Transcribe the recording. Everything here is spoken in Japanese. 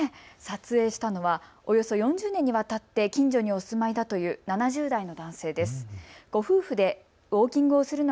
撮影したのはおよそ４０年にわたってこの近所にお住まいだという７０代の男性です。